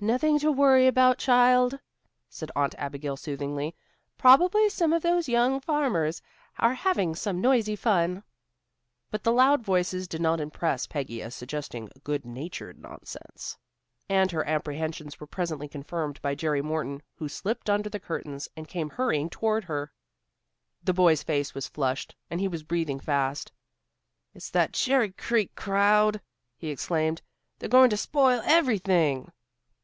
"Nothing to worry about, child," said Aunt Abigail soothingly. "Probably some of those young farmers are having some noisy fun." But the loud voices did not impress Peggy as suggesting good natured nonsense. And her apprehensions were presently confirmed by Jerry Morton, who slipped under the curtains and came hurrying toward her. The boy's face was flushed, and he was breathing fast. "It's that Cherry Creek crowd," he exclaimed. "They're going to spoil everything."